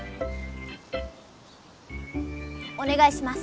おねがいします。